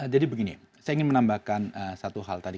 jadi begini saya ingin menambahkan satu hal tadi